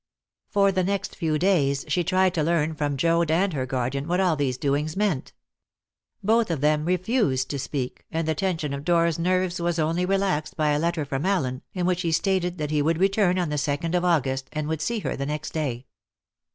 For the next few days she tried to learn from Joad and her guardian what all these doings meant. Both of them refused to speak, and the tension of Dora's nerves was only relaxed by a letter from Allen, in which he stated that he would return on the second of August, and would see her the next day.